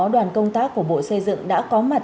đoàn công tác của bộ xây dựng đã có mặt